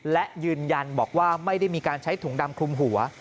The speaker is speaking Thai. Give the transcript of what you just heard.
และยืนยันบอกว่าไม่ได้มีการใช้ถุงดำคลุมหัว